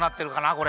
これ。